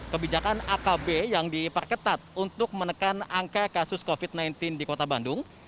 kebijakan akb yang diperketat untuk menekan angka kasus covid sembilan belas di kota bandung